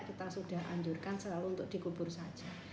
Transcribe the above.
kita sudah anjurkan selalu untuk dikubur saja